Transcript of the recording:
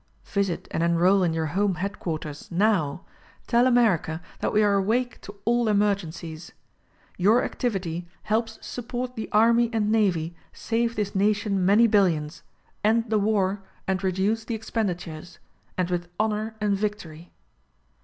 Visit and enroll in your home headquarters — now. Tell America that we are awake to all emergencies. Your activity helps suppo.rt the Army and Navy save this nation many billions, end the war and reduce the expenditures, and with honor and victory.